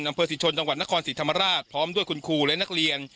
อำเภอศรีชนจังหวัดนครศรีธรรมราชพร้อมด้วยคุณครูและนักเรียน